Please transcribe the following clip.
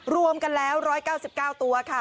รวมกันแล้ว๑๙๙ตัวค่ะ